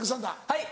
はい！